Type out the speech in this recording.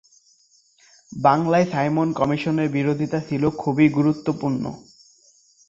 বাংলায় সাইমন কমিশনের বিরোধিতা ছিল খুবই গুরুত্বপূর্ণ।